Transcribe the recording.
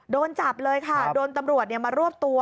โดนจับเลยค่ะโดนตำรวจมารวบตัว